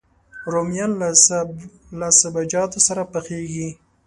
رومیان له سابهجاتو سره پخېږي